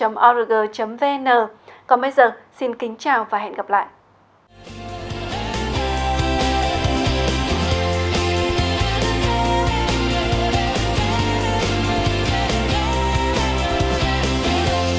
nhưng có điều kiện sử dụng tài liệu phải sử dụng think tank không có quy định sử dụng tài liệu